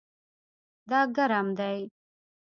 دا ګرم دی